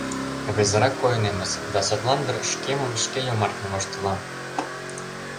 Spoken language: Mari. Рвезырак койнемыс да садлан дыр шкемым шке йомартлын воштылам.